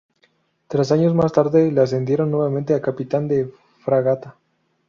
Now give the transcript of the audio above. Tres años más tarde le ascendieron nuevamente a capitán de fragata.